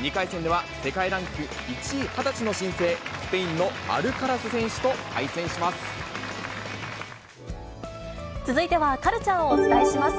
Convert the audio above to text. ２回戦では、世界ランク１位、２０歳の新星、スペインのアルカ続いては、カルチャーをお伝えします。